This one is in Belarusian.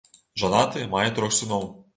Жанаты, мае трох сыноў.